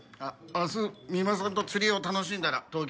明日三馬さんと釣りを楽しんだら東京に戻ります。